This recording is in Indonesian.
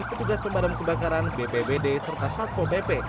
petugas pemadam kebakaran bpbd serta satpo bp